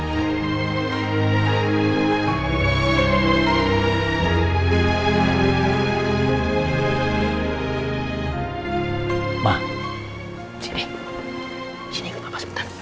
cowok tuh gak seneng sama cewek yang terlalu agresif yang ngejar nejar